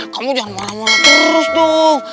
kamu jangan marah marah terus dong